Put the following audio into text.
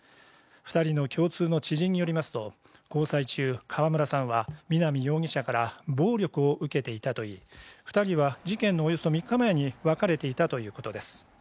２人の共通の知人によりますと、交際中川村さんは南容疑者から暴力を受けていたといい、２人は事件のおよそ３日前に別れていたということです。